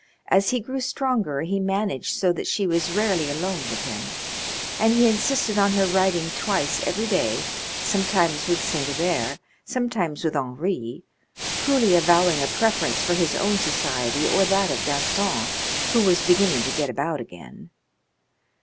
As he grew stronger he managed so that she was rarely alone with him, and he insisted on her riding twice every day, sometimes with Saint Hubert, sometimes with Henri, coolly avowing a preference for his own society or that of Gaston, who was beginning to get about again.